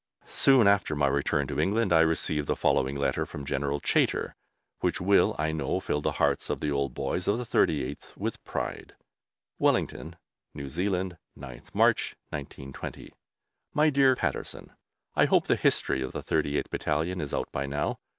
Soon after my return to England I received the following letter from General Chaytor, which will, I know, fill the hearts of the old boys of the 38th with pride: WELLINGTON, NEW ZEALAND, 9TH MARCH, 1920. MY DEAR PATTERSON, I hope the history of the 38th Battalion is out by now.